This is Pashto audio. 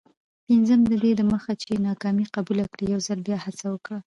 پنځم: ددې دمخه چي ناکامي قبوله کړې، یوځل بیا هڅه وکړه.